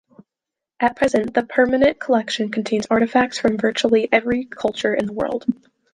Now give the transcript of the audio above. At present, the permanent collection contains artifacts from virtually every culture in the world.